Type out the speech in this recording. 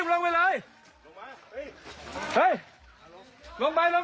สำรวจไม่มีใครทำอะไรเลย